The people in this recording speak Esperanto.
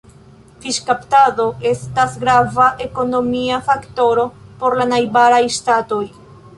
Fiŝkaptado estas grava ekonomia faktoro por la najbaraj ŝtatoj.